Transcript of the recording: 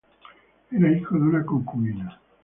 Era hijo de una concubina.